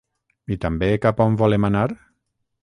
I també cap on volem anar?